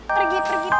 pergi pergi pergi